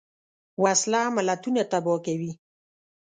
وسله ملتونه تباه کوي